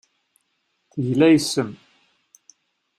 Tegla yes-m.